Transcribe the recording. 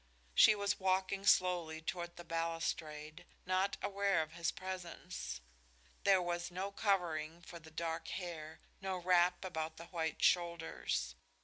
She was walking slowly toward the balustrade, not aware of his presence. There was no covering for the dark hair, no wrap about the white shoulders.